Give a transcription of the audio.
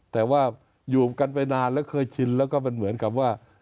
แต่ว่าอยู่กันไปนานแล้วเคยชินแล้วก็มันเหมือนกับว่า